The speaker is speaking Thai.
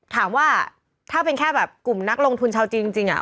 ถามว่าถ้าเป็นแค่กลุ่มนักลงทุนเช้าจริงอ่ะ